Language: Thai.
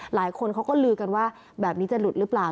หลายคนเขาก็ลือกันว่าแบบนี้จะหลุดหรือเปล่า